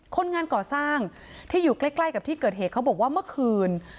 คนงานก่อสร้างที่อยู่ใกล้กับที่เกิดเหตุเขาบอกว่าเมื่อคืน